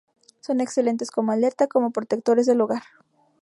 Son excelentes como alerta, como protectores del hogar.